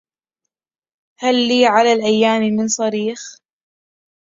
هل لي على الأيام من صريخ